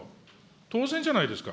当然じゃないですか。